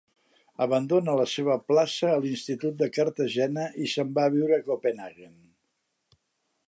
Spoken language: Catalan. Abandona la seva plaça a l'Institut de Cartagena i se’n va a viure a Copenhaguen.